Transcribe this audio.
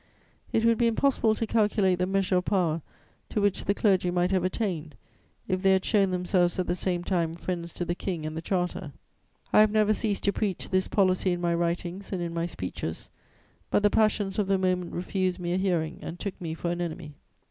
It would be impossible to calculate the measure of power to which the clergy might have attained, if they had shown themselves at the same time friends to the King and the Charter. I have never ceased to preach this policy in my writings and in my speeches; but the passions of the moment refused me a hearing and took me for an enemy.'